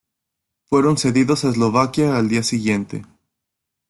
Fueron cedidos a Eslovaquia al día siguiente.